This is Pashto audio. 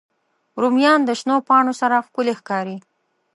رومیان د شنو پاڼو سره ښکلي ښکاري